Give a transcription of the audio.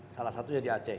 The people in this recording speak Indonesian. salah satunya di aceh